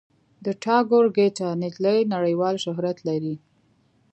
د ټاګور ګیتا نجلي نړیوال شهرت لري.